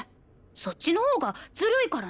そっちのほうがずるいからね。